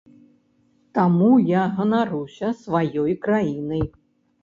Таму я ганаруся сваёй краінай.